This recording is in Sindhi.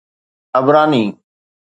عبراني